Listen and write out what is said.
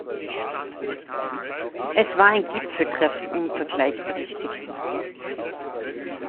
Es war ein Gipfeltreffen unter Gleichberechtigten.